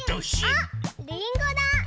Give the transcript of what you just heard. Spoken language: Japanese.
あっりんごだ！